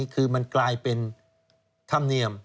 คือมันกลายเป็นธรรมเนียม